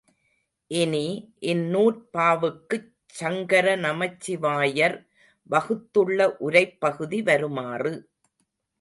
இனி இந்நூற்பாவுக்குச் சங்கரநமச்சிவாயர் வகுத்துள்ள உரைப்பகுதி வருமாறு.